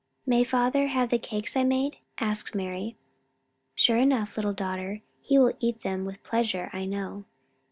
"May father have the cakes I made?" asked Mari. "Sure enough, little daughter. He will eat them with pleasure, I know."